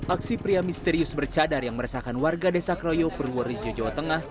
aksi pria misterius bercadar yang meresahkan warga desa kroyo purworejo jawa tengah